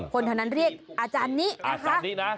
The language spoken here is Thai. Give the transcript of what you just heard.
คนเท่านั้นเรียกอาจารย์นี้นะคะ